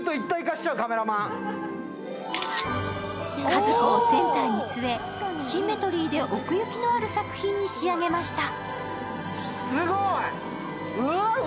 かずこをセンターに据え、シンメトリーで奥行きのある作品に仕上げました。